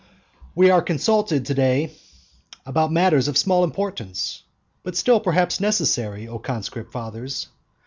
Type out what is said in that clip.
I. We are consulted to day about matters of small importance, but still perhaps necessary, O conscript fathers.